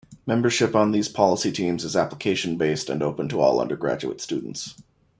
Membership on these policy teams is application-based and open to all undergraduate students.